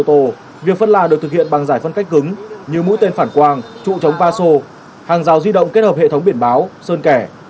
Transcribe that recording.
trong ngày đầu việc phân làn được thực hiện bằng giải phân cách cứng nhiều mũi tên phản quang trụ chống va sô hàng rào di động kết hợp hệ thống biển báo sơn kẻ